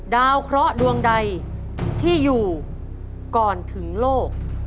ดาวเคราะห์ดวงใดที่อยู่ก่อนถึงโลก